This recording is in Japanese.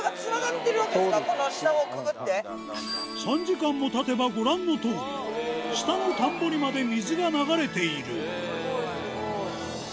３時間もたてばご覧のとおり下の田んぼにまで水が流れているスゴいスゴい。